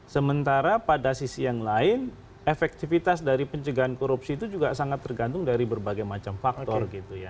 sementara pada sisi yang lain efektivitas dari pencegahan korupsi itu juga sangat tergantung dari berbagai macam faktor gitu ya